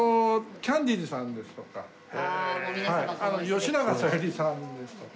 吉永小百合さんですとか。